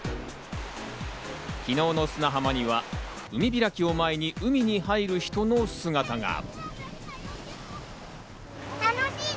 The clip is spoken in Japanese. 昨日の砂浜には、海開きを前に海に入る人の姿が。